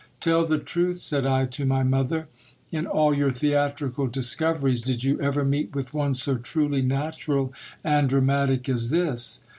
Tell the truth, said I to my mother ; in all your theatrical discoveries, did you ever meet with one so truly natural and dramatic as this